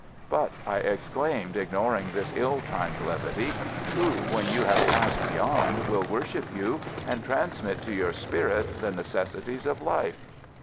"But," I exclaimed, ignoring this ill timed levity, "who, when you have Passed Beyond, will worship you and transmit to your spirit the necessities of life?"